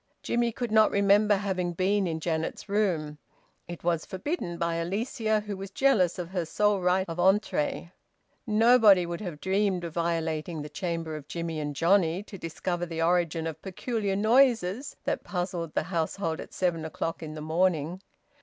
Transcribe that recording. Jimmie could not remember having been in Janet's room it was forbidden by Alicia, who was jealous of her sole right of entree and nobody would have dreamed of violating the chamber of Jimmie and Johnnie to discover the origin of peculiar noises that puzzled the household at seven o'clock in the morning.